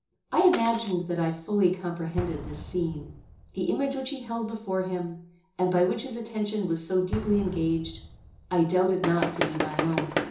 I imagined that I fully comprehended this scene. The image which he held before him, and by which his attention was so deeply engaged, I doubted not to be my own.